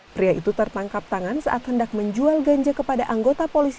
pria itu tertangkap tangan saat hendak menjual ganja kepada anggota polisi